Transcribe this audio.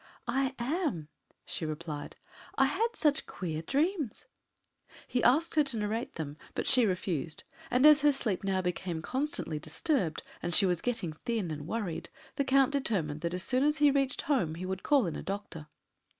"I am," she replied; "I had such queer dreams." He asked her to narrate them, but she refused; and as her sleep now became constantly disturbed, and she was getting thin and worried, the Count determined that as soon as he reached home he would call in a doctor.